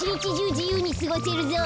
じゆうにすごせるぞ。